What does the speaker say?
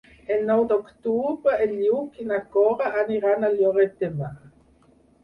El nou d'octubre en Lluc i na Cora aniran a Lloret de Mar.